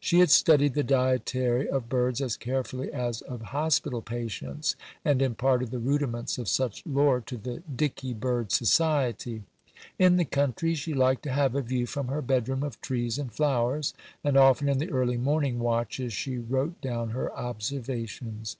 She had studied the dietary of birds as carefully as of hospital patients, and imparted the rudiments of such lore to the "Dicky Bird Society." In the country she liked to have a view from her bedroom of trees and flowers, and often in the early morning watches she wrote down her observations.